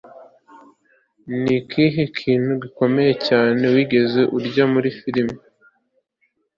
ni ikihe kintu gikomeye cyane wigeze urya muri firime